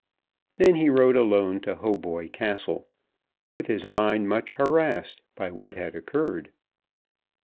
Then he rode alone to Hautboy Castle, with his mind much harassed by what had occurred.